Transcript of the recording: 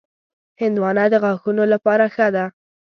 هندوانه د غاښونو لپاره ښه ده.